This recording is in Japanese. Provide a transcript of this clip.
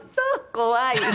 怖い！